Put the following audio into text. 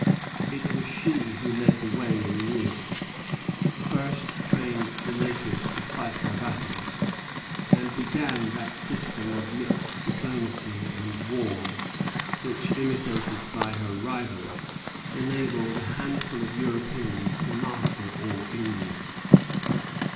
It was she who led the way in the East, first trained the natives to fight her battles, and began that system of mixed diplomacy and war which, imitated by her rival, enabled a handful of Europeans to master all India.